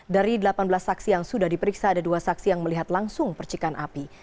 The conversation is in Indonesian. dari delapan belas saksi yang sudah diperiksa ada dua saksi yang melihat langsung percikan api